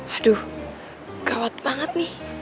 aduh gawat banget nih